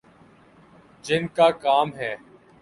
جن کا کام ہے۔